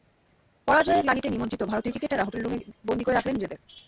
পরাজয়ের গ্লানিতে নিমজ্জিত ভারতীয় ক্রিকেটাররা হোটেল রুমেই বন্দী করে রাখলেন নিজেদের।